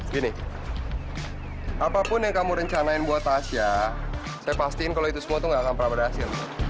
gini apapun yang kamu rencanain buat tasya saya pastiin kalau itu semua tuh gak akan pernah berhasil